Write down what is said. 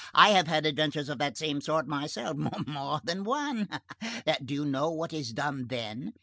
I have had adventures of that same sort myself. More than one. Do you know what is done then?